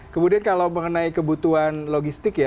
kemudian kalau mengenai kebutuhan logistik ya